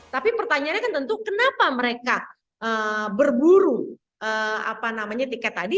tapi pertanyaannya kan tentu kenapa mereka berburu tiket tadi